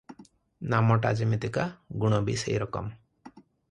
ନାମଟା ଯିମିତିକା, ଗୁଣ ବି ସେଇ ରକମ ।